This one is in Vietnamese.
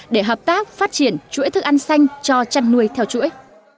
để hợp tác phát triển chuỗi thức ăn xanh cho chăn nuôi theo chuỗi